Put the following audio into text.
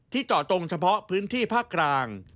ที่ต่อตรงเฉพาะพื้นที่ภาคกลาง